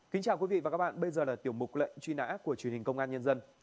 kính chào quý vị và các bạn bây giờ là tiểu mục lệnh truy nã của truyền hình công an nhân dân